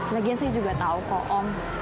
lagian saya juga tahu kok om